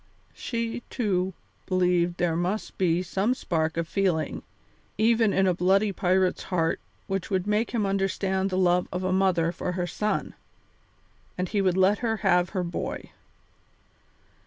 She, too, believed that there must be some spark of feeling even in a bloody pirate's heart which would make him understand the love of a mother for her son, and he would let her have her boy.